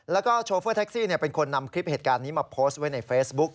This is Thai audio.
แล้วก็โชเฟอร์แท็กซี่เป็นคนนำคลิปเหตุการณ์นี้มาโพสต์ไว้ในเฟซบุ๊ก